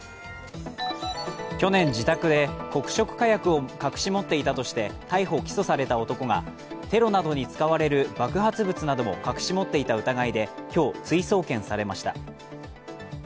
去年、自宅で黒色火薬を隠し持っていたとして逮捕・起訴された男がテロなどに使われる爆発物なども隠し持っていた疑いで今日追送検されました。